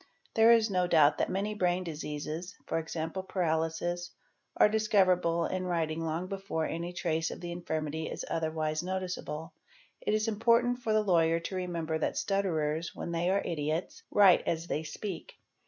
There is no doubt _ that many brain diseases (e.g., paralysis) are discoverable in writing long before any trace of the infirmity is otherwise noticeable. It is important for the lawyer to remember that stutterers, when they are idiots, write as they speak.